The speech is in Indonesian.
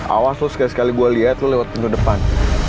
awas lo sekali sekali gue liat lo lewat pintu depan